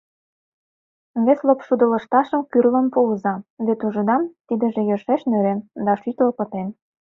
Вес лопшудо лышташым кӱрлын пуыза, — вет ужыда — тидыже йӧршеш нӧрен да шӱтлыл пытен.